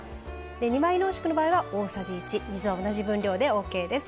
２倍濃縮の場合は大さじ１、水は同じ分量でオーケーです。